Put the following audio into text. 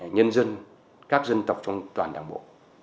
nhân dân các dân tộc trong toàn đảng bộ